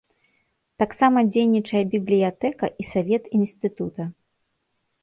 Таксама дзейнічае бібліятэка і савет інстытута.